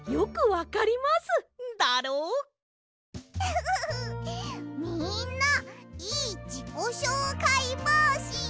フフフッみんないいじこしょうかいぼうしだね！